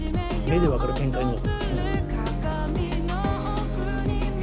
目で分かる展開も！